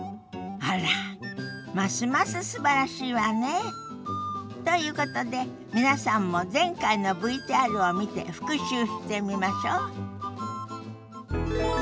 あらますますすばらしいわね！ということで皆さんも前回のＶＴＲを見て復習してみましょ。